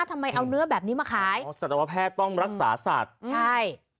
ทำไมเอาเนื้อแบบนี้มาขายอ๋อสัตวแพทย์ต้องรักษาสัตว์ใช่